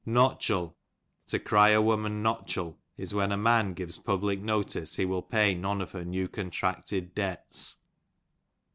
Knotdi^], to cry a woman knotchel is when a man gives public notice he will pay none of her new contract^ debts.